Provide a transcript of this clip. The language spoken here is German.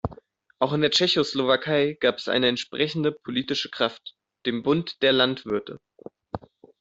Auch in der Tschechoslowakei gab es eine entsprechende politische Kraft, den Bund der Landwirte.